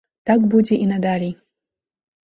Так будзе і надалей.